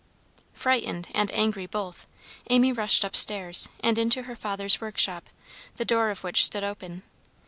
Frightened and angry both, Amy rushed up stairs, and into her father's workshop, the door of which stood open.